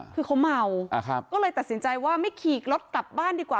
คือเขาเมาก็เลยตัดสินใจว่าไม่ขี่รถกลับบ้านดีกว่า